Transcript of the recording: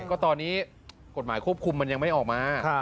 ก็ตอนนี้กฎหมายควบคุมมันยังไม่ออกมา